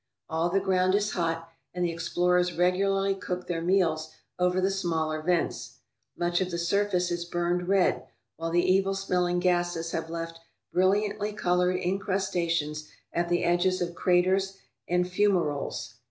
All the ground is hot, and the explorers regularly cooked their meals over the smaller vents. Much of the surface is burned red, while the evil smelling gases have left brilliantly coloured incrustations at the edges of craters and fumaroles.